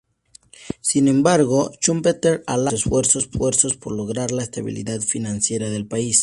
Sin embargo, Schumpeter alabó sus esfuerzos por lograr la estabilidad financiera del país.